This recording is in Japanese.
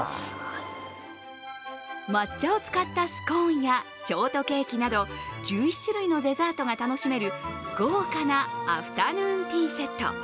抹茶を使ったスコーンやショートケーキなど１１種類のデザートが楽しめる豪華なアフタヌーンティーセット。